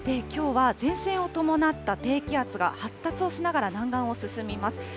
きょうは前線を伴った低気圧が発達しながら南岸を進みます。